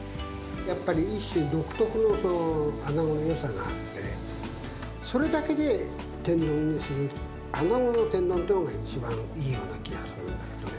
やっぱり一種独特のあなごのよさがあって、それだけで天丼にする、あなごの天丼っていうのが一番いいような気がするのね。